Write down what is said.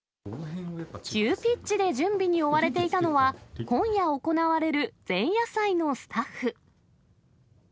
急ピッチで準備に追われていたのは、今夜行われる前夜祭のスタッフ。